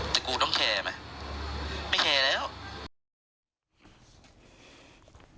แต่กูต้องแคร์ไหมไม่แคร์แล้ว